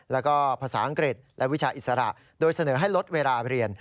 แล้วก็ภาษาอังกฤษและวิชาอิสระโดยเสนอให้ลดเวลาเรียน